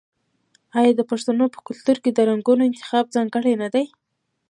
آیا د پښتنو په کلتور کې د رنګونو انتخاب ځانګړی نه دی؟